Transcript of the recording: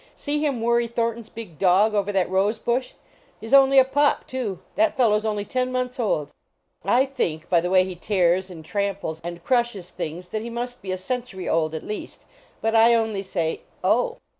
See him worry Thornton s big dog over that rose bush. He s only a pup, too. That fellow s only ten months old I think, by the way he tear and tramples 16 241 HOUSEHOLD PETS and crushes things, that he must be a century old at least, but I only say : "Oh!"